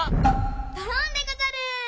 ドロンでござる。